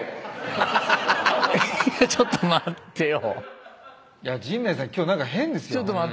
ちょっと待ってよ。